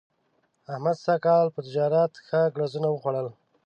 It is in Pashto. احمد سږ کال په تجارت ښه ګړزونه وخوړل.